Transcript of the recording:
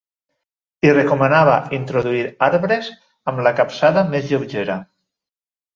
Hi recomanava introduir arbres amb la capçada més lleugera.